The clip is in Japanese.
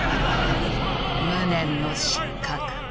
無念の失格。